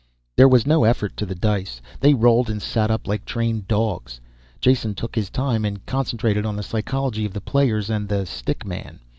There was no effort to the dice, they rolled and sat up like trained dogs. Jason took his time and concentrated on the psychology of the players and the stick man.